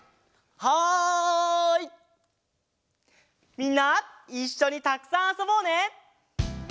みんないっしょにたくさんあそぼうね！